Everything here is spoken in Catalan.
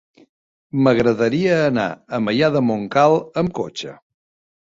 M'agradaria anar a Maià de Montcal amb cotxe.